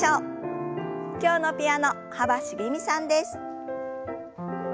今日のピアノ幅しげみさんです。